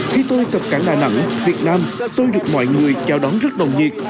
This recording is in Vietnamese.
khi tôi cập cảng đà nẵng việt nam tôi được mọi người chào đón rất nồng nhiệt